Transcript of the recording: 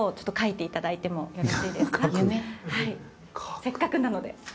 せっかくなので。